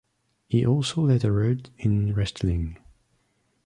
He also lettered in wrestling.